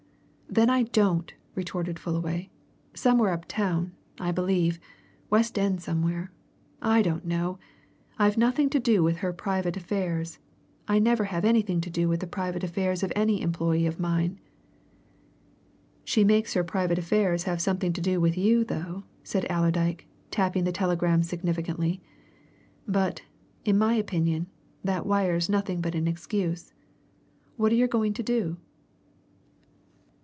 "Then I don't!" retorted Fullaway. "Somewhere up town, I believe West End somewhere. I don't know. I've nothing to do with her private affairs. I never have had anything to do with the private affairs of any employee of mine." "She makes her private affairs have something to do with you though," said Allerdyke, tapping the telegram significantly. "But, in my opinion, that wire's nothing but an excuse. What're you going to do?"